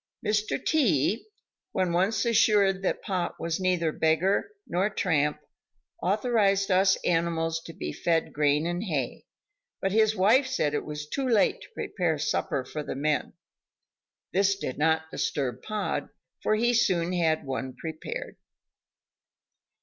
Mr. T , when once assured that Pod was neither beggar nor tramp, authorized us animals to be fed grain and hay; but his wife said it was too late to prepare supper for the men. This did not disturb Pod for he soon had one prepared.